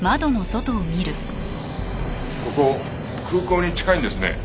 ここ空港に近いんですね。